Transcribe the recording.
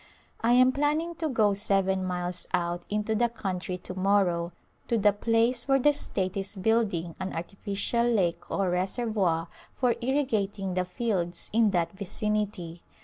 I am planning to go seven miles out into the coun try to morrow to the place where the state is building an artificial lake or reservoir for irrigating the fields in that vicinity.